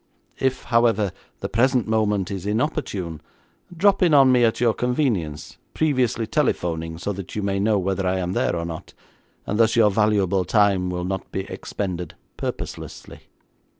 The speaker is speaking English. If, however, the present moment is inopportune, drop in on me at your convenience, previously telephoning so that you may know whether I am there or not, and thus your valuable time will not be expended purposelessly.'